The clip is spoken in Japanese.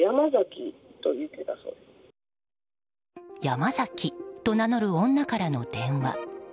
ヤマザキと名乗る女からの電話。